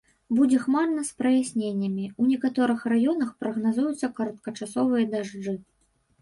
Будзе хмарна з праясненнямі, у некаторых раёнах прагназуюцца кароткачасовыя дажджы.